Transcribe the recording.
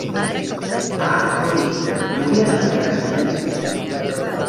Ah, Ruby, no hauries de fer res més?